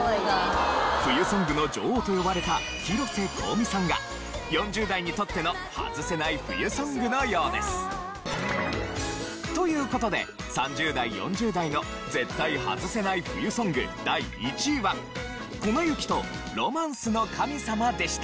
冬ソングの女王と呼ばれた広瀬香美さんが４０代にとってのハズせない冬ソングのようです。という事で３０代４０代の絶対ハズせない冬ソング第１位は『粉雪』と『ロマンスの神様』でした。